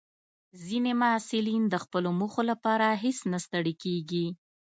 ځینې محصلین د خپلو موخو لپاره هیڅ نه ستړي کېږي.